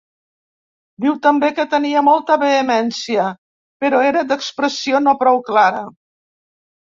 Diu també que tenia molta vehemència, però era d'expressió no prou clara.